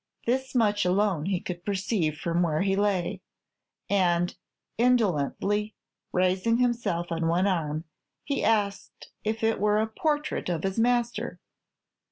This much alone he could perceive from where he lay, and indolently raising himself on one arm, he asked if it were "a portrait of his master"?